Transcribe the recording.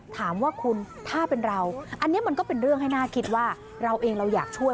ถามว่าคุณถ้าเป็นเราอันนี้มันก็เป็นเรื่องให้น่าคิดว่าเราเองเราอยากช่วย